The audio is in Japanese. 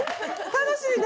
楽しいね。